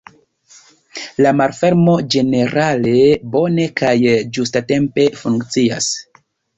La malfermo ĝenerale bone kaj ĝustatempe funkciis.